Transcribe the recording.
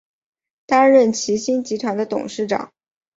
担任齐星集团的董事长。